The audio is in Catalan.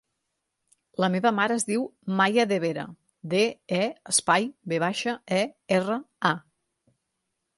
La meva mare es diu Maya De Vera: de, e, espai, ve baixa, e, erra, a.